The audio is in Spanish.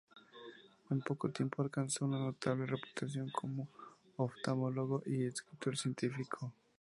En poco tiempo alcanzó una notable reputación como oftalmólogo y escritor científico.